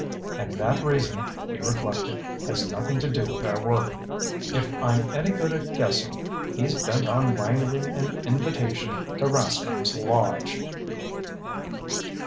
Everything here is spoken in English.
"And that reason," he reflected, "has nothing to do with our work. If I'm any good at guessing, he's bent on wangling an invitation to Rascomb's lodge!"